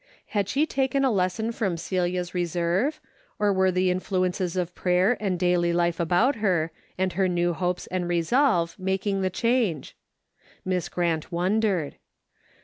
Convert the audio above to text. Had she taken a lesson from Celia's reserve, or were the influences of prayer and daily life about her, and her new hopes and resolves making the change ? Miss Grant wondered.